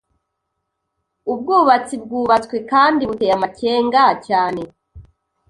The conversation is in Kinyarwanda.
"Ubwubatsi bwubatswe kandi buteye amakenga cyane